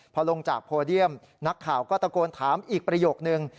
พอลงจากโพเดียมนักข่าวก็ตะโกนถามอีกประโยคนึง